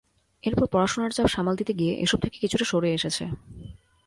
এরপর পড়াশোনার চাপ সামাল দিতে গিয়ে এসব থেকে কিছুটা সরে এসেছে।